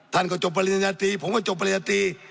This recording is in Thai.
ท่านก็จบปริญญาตรีผมก็จบปริญญาตรี